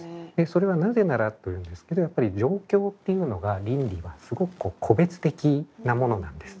それはなぜならというんですけどやっぱり状況っていうのが倫理はすごく個別的なものなんです。